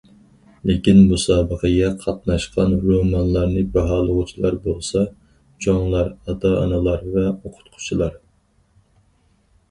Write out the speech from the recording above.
لېكىن، مۇسابىقىگە قاتناشقان رومانلارنى باھالىغۇچىلار بولسا چوڭلار، ئاتا- ئانىلار ۋە ئوقۇتقۇچىلار.